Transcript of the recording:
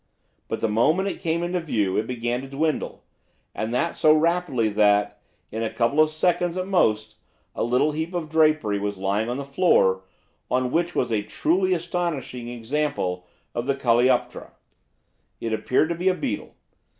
But, the moment it came in view, it began to dwindle, and that so rapidly that, in a couple of seconds at most, a little heap of drapery was lying on the floor, on which was a truly astonishing example of the coleoptera. It appeared to be a beetle.